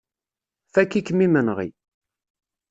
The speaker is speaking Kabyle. Fakk-ikem imenɣi.